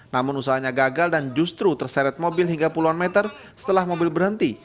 namun usahanya gagal dan justru terseret mobil hingga puluhan meter setelah mobil berhenti